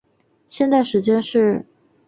现在时间是。